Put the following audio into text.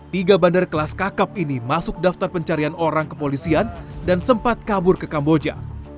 tiga bandar kelas kakap ini masuk daftar pencarian orang kepolisian dan sempat kabur ke kamboja